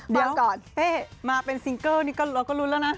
ฮะมาก่อนเฮ่ยมาเป็นซิงเกิลเราก็ลุ้นแล้วนะ